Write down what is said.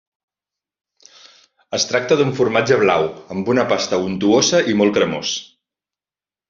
Es tracta d'un formatge blau, amb una pasta untuosa i molt cremós.